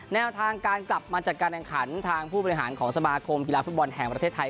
แนวทางการกลับมาจัดการแข่งขันทางผู้บริหารของสมาคมกีฬาฟุตบอลแห่งประเทศไทย